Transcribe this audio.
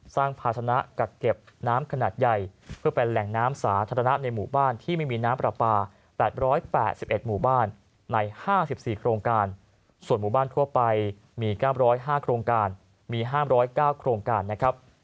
สร้างพัฒนากัดเก็บน้ำขนาดใหญ่เพื่อเป็นแหล่งน้ำสาธารณะในหมู่บ้านที่ไม่มีน้ำประปาแปดร้อยแปดสิบเอ็ดหมู่บ้านในห้าสิบสี่โครงการส่วนหมู่บ้านทั่วไปมีก้ามร้อยห้าโครงการมีห้ามร้อยเก้าโครงการนะครับ